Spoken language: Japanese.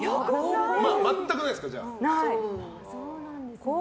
全くないですか。